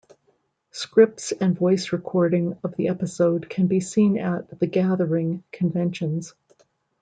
Scripts and voice recording of the episode can be seen at The Gathering conventions.